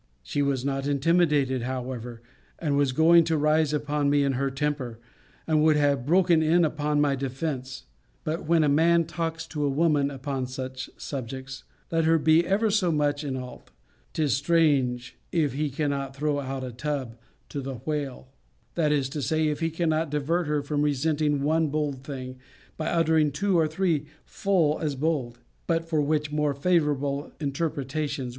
She was not intimidated, however, and was going to rise upon me in her temper; and would have broken in upon my defence. But when a man talks to a woman upon such subjects, let her be ever so much in alt, 'tis strange, if he cannot throw out a tub to the whale; that is to say, if he cannot divert her from resenting one bold thing, by uttering two or three full as bold; but for which more favourable interpretations will lie.